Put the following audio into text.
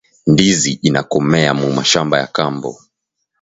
Ndizi inakomea mumashamba ya kambo